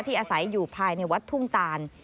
อาศัยอยู่ภายในวัดทุ่งตาน